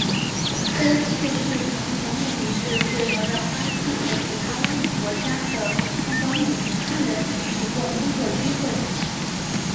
该工作室成立的目的是为了让巴西和其他拉美国家的有创造力的年轻人提供工作机会。